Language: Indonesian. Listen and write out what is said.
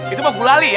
itu mah gulali ya